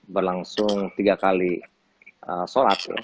berlangsung tiga kali sholat